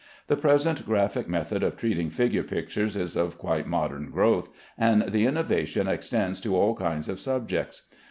The present graphic method of treating figure pictures is of quite modern growth, and the innovation extends to all kinds of subjects.